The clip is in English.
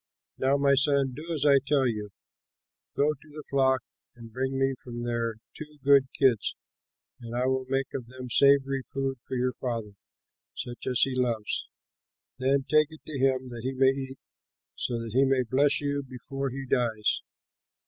Now, my son, do as I tell you: Go to the flock and bring me from there two good kids, and I will make of them savory food for your father, such as he loves. Then take it to him, that he may eat, so that he may bless you before he dies."